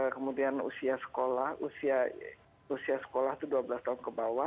kemudian usia sekolah usia sekolah itu dua belas tahun ke bawah